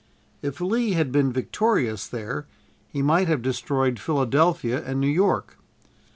If Lee had been victorious there, he might have destroyed Philadelphia and New York.